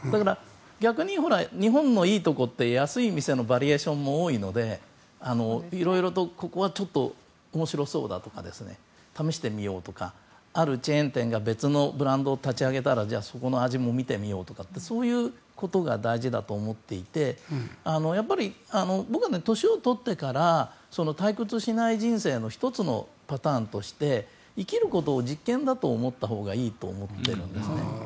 逆に日本のいいところって安い店のバリエーションも多いのでいろいろとここは面白そうだとか試してみようとかあるチェーン店が別のブランドを立ち上げたらそこの味も見てみようとかそういうことが大事だと思っていてやっぱり僕は年を取ってから退屈しない人生の１つのパターンとして生きることを実験だと思ったほうがいいと思っているんですね。